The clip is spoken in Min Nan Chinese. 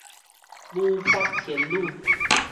舞法天女